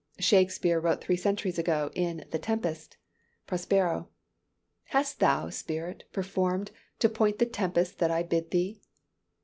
Shakespeare wrote three centuries ago, in "The Tempest:" Prospero. "Hast thou, spirit, Performed, to point the tempest that I bid thee?"